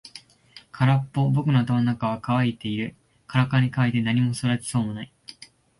空っぽ。僕の頭の中は乾いている。からからに乾いて何も育ちそうもない。